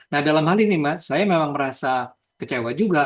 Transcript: nah dalam hal ini mbak saya memang merasa kecewa juga